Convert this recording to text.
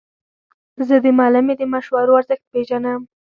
زه د معلمې د مشورو ارزښت پېژنم.